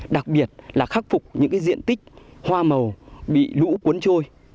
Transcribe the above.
đặc biệt là khắc phục những diện tích hoa màu bị lũ cuốn trôi